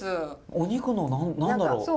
お肉の何だろう。